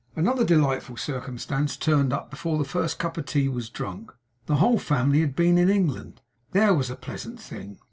Another delightful circumstance turned up before the first cup of tea was drunk. The whole family had been in England. There was a pleasant thing!